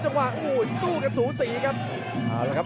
สู้กับสิ้นสีครับ